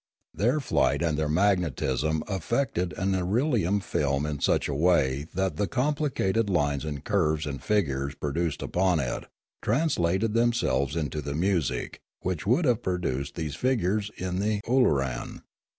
Their flight and their magnetism affected an irelium film in such a way that the complicated lines and curves and figures produced upon it translated themselves into the music which would have produced these figures in the ooloran.